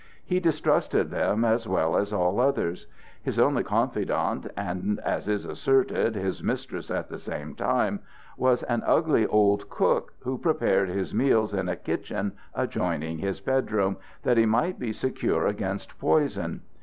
He distrusted them as well as all others. His only confidante (and, as is asserted, his mistress at the same time) was an ugly old cook, who prepared his meals in a kitchen adjoining his bedroom, that he might be secure against poison.